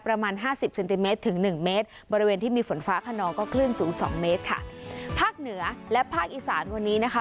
ประมาณห้าสิบเซนติเมตรถึงหนึ่งเมตรบริเวณที่มีฝนฟ้าขนองก็คลื่นสูงสองเมตรค่ะภาคเหนือและภาคอีสานวันนี้นะคะ